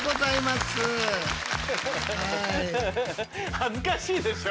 恥ずかしいです。